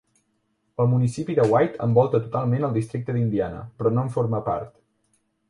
El municipi de White envolta totalment el districte d'Indiana, però no en forma part.